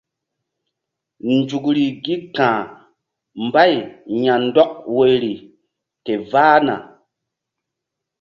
Nzukri gi ka̧h mbay ya̧ndɔk woyri ke vahna.